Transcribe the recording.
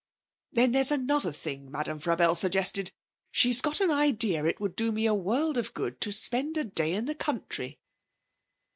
'Then there's another thing Madame Frabelle suggested. She's got an idea it would do me a world of good to spend a day in the country.'